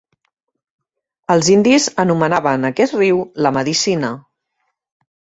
Els indis anomenaven aquest riu "La medicina".